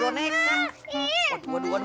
iya ini buat om li